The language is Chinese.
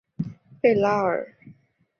贝拉尔。